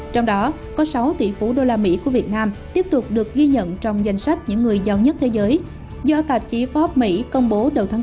trong đó có sáu tỷ phú đô la mỹ của việt nam tiếp tục được ghi nhận trong danh sách những người giàu nhất thế giới do tạp chí pháp mỹ công bố đầu tháng bốn